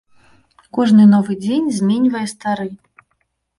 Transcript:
Кожны новы дзень зменьвае стары.